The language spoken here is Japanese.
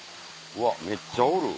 うわめっちゃおる。